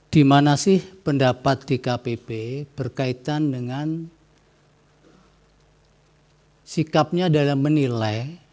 di mana sih pendapat dkpp berkaitan dengan sikapnya dalam menilai